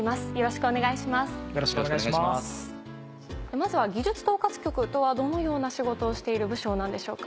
まずは技術統括局とはどのような仕事をしている部署なんでしょうか？